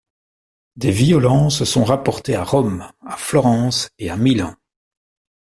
Des violences sont rapportées à Rome, à Florence et à Milan.